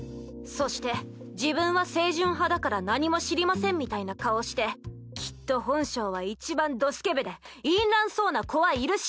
そして自分は清純派だから何も知りませんみたいな顔してきっと本性はいちばんどスケベで淫乱そうな子はいるし。